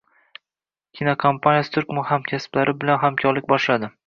Kinokompaniyasi turk hamkasblari bilan hamkorlik boshladi